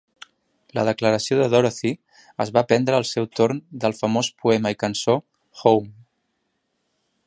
La declaració de Dorothy es va prendre al seu torn del famós poema i cançó "Home!".